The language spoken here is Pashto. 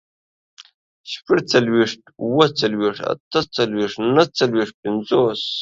شپږڅلوېښت، اووه څلوېښت، اته څلوېښت، نهه څلوېښت، پينځوس